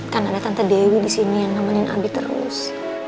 karena ada tante dewi di sini yang nemenin abi terus